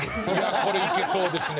これいけそうですね。